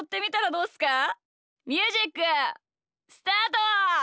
ミュージックスタート！